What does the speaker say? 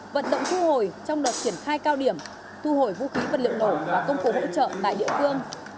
vận động thu hồi trong đợt triển khai cao điểm thu hồi vũ khí vật liệu nổ và công cụ hỗ trợ tại địa phương